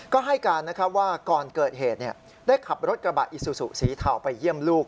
ก็ให้การว่าก่อนเกิดเหตุได้ขับรถกระบะอิซูซูสีเทาไปเยี่ยมลูก